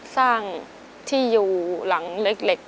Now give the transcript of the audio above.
สร้างที่อยู่หลังเล็ก